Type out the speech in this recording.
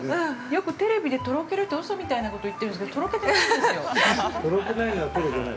よくテレビでとろけるって、うそみたいなこと言ってるんですけれども、とろけてないんですよね。